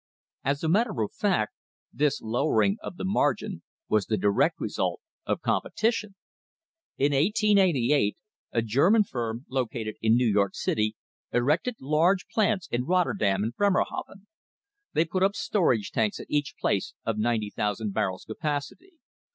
As a matter of fact this lowering of the margin was the direct result of competition. In 1888 a German firm, located in New York City, erected large oil plants in Rotterdam and Bremerhaven. They put up storage tanks at each place of 90,000 barrels' capacity.